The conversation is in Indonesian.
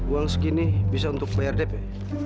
uang segini bisa untuk bayar dep ya